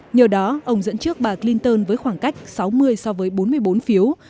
nhờ đó ông dẫn trước bà clinton với khoảng cách sáu mươi so với bốn mươi bốn phiếu